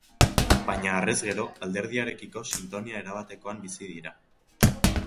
Baina harrez gero, alderdiarekiko sintonia erabatekoan bizi dira.